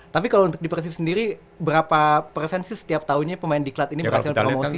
tapi kalau untuk di persib sendiri berapa persensi setiap tahunnya pemain di klat ini berhasil promosi